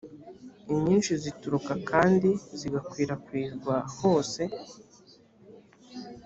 inyinshi zituruka kandi zigakwirakwizwa hose